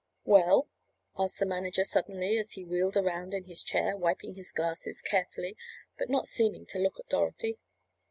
"Well?" asked the manager suddenly as he wheeled around in his chair, wiping his glasses carefully but not seeming to look at Dorothy.